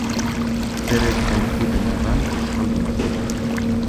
Zer ez zaukuten erran euskaldun batzuk!